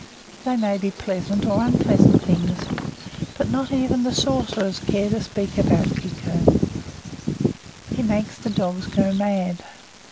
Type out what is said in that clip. They may be pleasant or unpleasant things, but not even the sorcerers care to speak about Quiquern. He makes the dogs go mad.